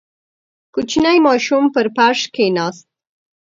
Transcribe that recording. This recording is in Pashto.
• کوچنی ماشوم پر فرش کښېناست.